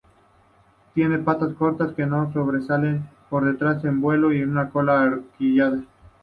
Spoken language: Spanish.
Tiene patas cortas, que no sobresalen por detrás en vuelo, y una cola ahorquillada.